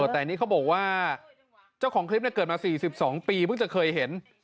แต่นี่เขาบอกว่าเจ้าของคลิปเกิดมา๔๒ปีเพิ่งจะเคยเห็น